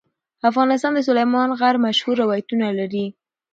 افغانستان د سلیمان غر مشهور روایتونه لري.